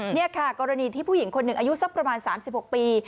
นี่ค่ะกรณีที่ผู้หญิงคนหนึ่งอายุสักประมาณ๓๖ปี